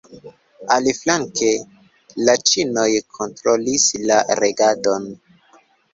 Aliflanke, la ĉinoj kontrolis la regadon.